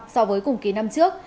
so với cùng ký năm trước